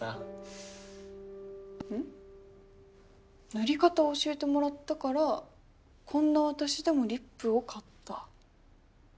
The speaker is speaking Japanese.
塗り方を教えてもらったからこんな私でもリップを買った。